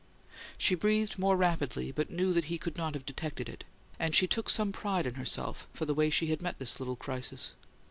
She breathed more rapidly, but knew that he could not have detected it, and she took some pride in herself for the way she had met this little crisis.